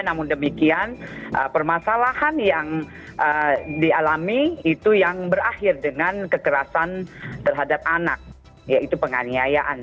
namun demikian permasalahan yang dialami itu yang berakhir dengan kekerasan terhadap anak yaitu penganiayaan